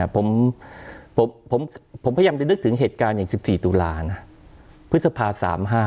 ผมพยายามจะนึกถึงเหตุการณ์อย่าง๑๔ตุลานะพฤษภา๓๕